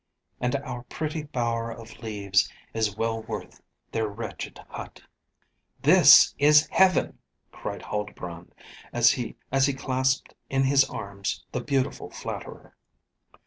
And our pretty bower of leaves is well worth their wretched hut." "This is heaven!" cried Huldbrand, as he clasped in his arms the beautiful flatterer.